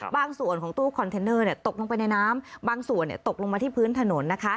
บางส่วนของตู้คอนเทนเนอร์ตกลงไปในน้ำบางส่วนตกลงมาที่พื้นถนน